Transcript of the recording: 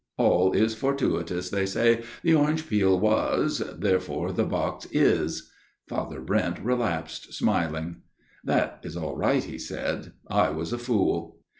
All is fortuitous, they say. The orange peel was ; therefore the box is !" Father Brent relapsed, smiling. " That is all right," he said ;" I was a fool."